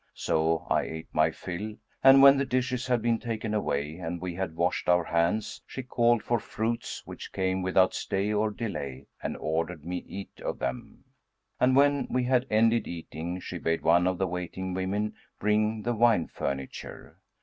So I ate my fill and when the dishes had been taken away and we had washed our hands, she called for fruits which came without stay or delay and ordered me eat of them; and when we had ended eating she bade one of the waiting women bring the wine furniture.